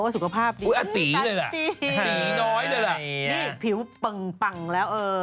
สุขภาพพี่บัดตีน้อยได้ล่ะพิวปังแล้วเออ